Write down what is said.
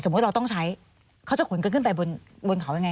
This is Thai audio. สมมุติเราต้องใช้เขาจะขนกันขึ้นไปบนเขาอย่างไร